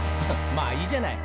「まあいいじゃない」